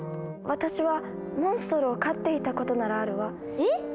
私はモンストロを飼っていたことならあるわ。えっ？